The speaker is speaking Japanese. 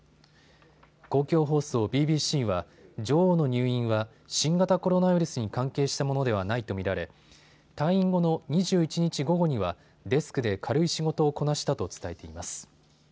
公共放送ＢＢＣは女王の入院は新型コロナウイルスに関係したものではないと見られ退院後の２１日午後にはデスクで軽い仕事をこなしたと伝えています。